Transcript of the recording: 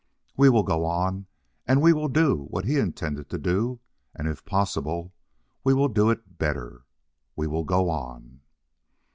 We will go on, and we will do what he intended to do, and if possible we will do it better. We will go on!"